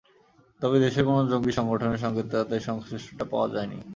তবে দেশের কোনো জঙ্গি সংগঠনের সঙ্গে তাঁদের সংশ্লিষ্টতা পাওয়া যায়নি।